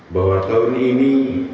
bahwa tahun ini